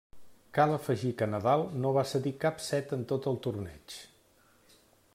Cal afegir que Nadal no va cedir cap set en tot el torneig.